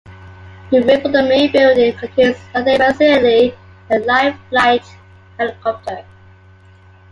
The roof of the main building contains a landing facility and Life Flight helicopter.